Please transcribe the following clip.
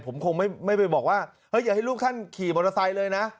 ผมคงไม่ไปบอกว่าอย่าให้ลูกท่านขี่มอเตอร์ไซค์เลยนะ